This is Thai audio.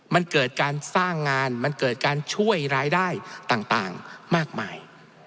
มันเกิดการสร้างงานมันเกิดการช่วยรายได้ต่างมากมาย